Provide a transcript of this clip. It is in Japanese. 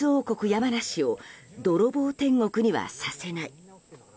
山梨を泥棒天国にはさせない。